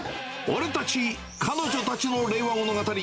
俺たち彼女たちの令和物語。